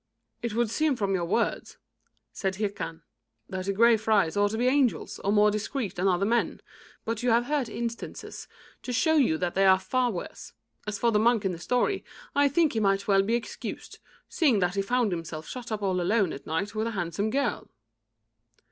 "It would seem from your words," said Hircan, "that the Grey Friars ought to be angels, or more discreet than other men, but you have heard instances enough to show you that they are far worse. As for the monk in the story, I think he might well be excused, seeing that he found himself shut up all alone at night with a handsome girl."